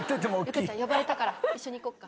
ユカちゃん呼ばれたから一緒に行こっか。